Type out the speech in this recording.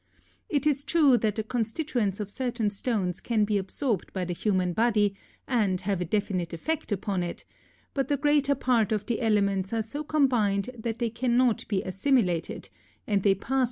It is true that the constituents of certain stones can be absorbed by the human body and have a definite effect upon it, but the greater part of the elements are so combined that they cannot be assimilated, and they pass through the system without producing any apparent effect.